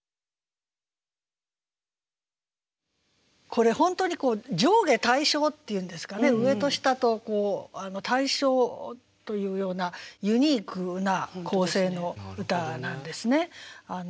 これ本当に上下対称っていうんですかね上と下と対称というようなユニークな構成の歌なんですね。